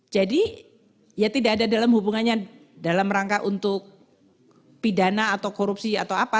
jadi ya tidak ada dalam hubungannya dalam rangka untuk pidana atau korupsi atau apa